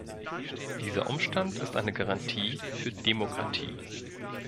Dieser Umstand ist eine Garantie für Demokratie.